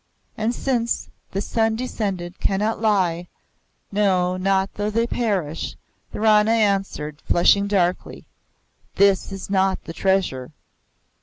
And since the Sun Descended cannot lie, no, not though they perish, the Rana answered, flushing darkly, "This is not the Treasure.